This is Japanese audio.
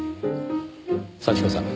幸子さん